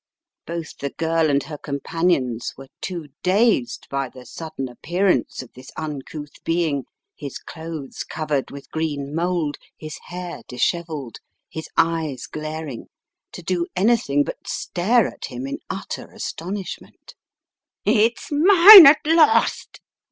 Both the girl and her companions were too dazed by the sudden appear ance of this uncouth being, his clothes covered with green mould, his hair dishevelled, his eyes glaring, to do anything but stare at him in utter astonish ment. "It's mine at last!"